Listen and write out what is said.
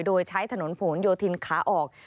โดยใช้ถนนผลโยธินขาออก